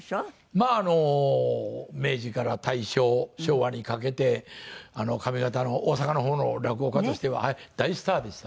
まああの明治から大正昭和にかけて上方の大阪の方の落語家としては大スターでした。